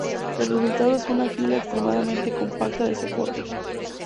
El resultado es una fila extremadamente compacta de soportes.